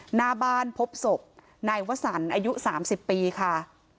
หน้าบ้านพบศพนายวสันอายุ๓๐ปีค่ะ